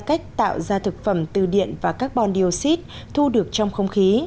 các nhà nghiên cứu đã tạo ra thực phẩm từ điện và carbon dioxide thu được trong không khí